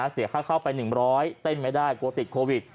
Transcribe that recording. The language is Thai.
เสียค่าเข้าไป๑๐๐เต้นไม่ได้กลัวติดโควิด